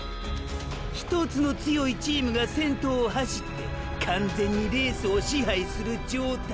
ひとつの強いチームが先頭を走って完全にレースを支配する状態！